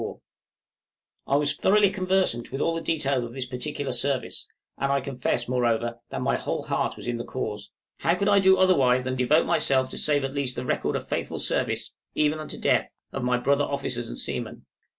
I was thoroughly conversant with all the details of this peculiar service; and I confess, moreover, that my whole heart was in the cause. How could I do otherwise than devote myself to save at least the record of faithful service, even unto death, of my brother officers and seamen?